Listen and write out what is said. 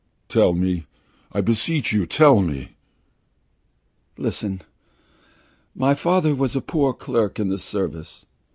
"Tell me! I beseech you, tell me!" "Listen. My father was a poor clerk in the Service.